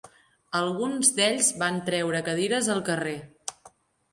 Alguns d'ells van treure cadires al carrer